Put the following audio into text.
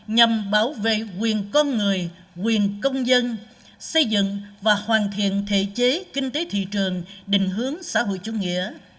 nhằm bảo vệ quyền con người quyền công dân xây dựng và hoàn thiện thể chế kinh tế thị trường định hướng xã hội chủ nghĩa